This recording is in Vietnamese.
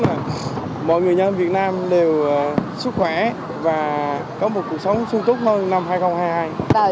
để mọi người biết đầy bình an hạnh phúc và hòa chung niềm vui trong năm mới